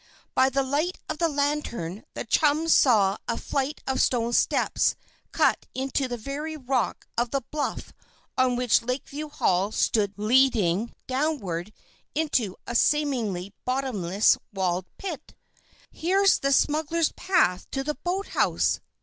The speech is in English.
By the light of the lantern the chums saw a flight of stone steps cut in the very rock of the bluff on which Lakeview Hall stood leading downward into a seemingly bottomless, walled pit. "Here's the smugglers' path to the boathouse!"